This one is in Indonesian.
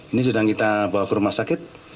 ini sedang kita bawa ke rumah sakit